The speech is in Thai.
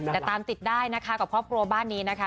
แต่ตามติดได้นะคะกับครอบครัวบ้านนี้นะคะ